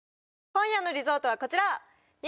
今夜のリゾートはこちら！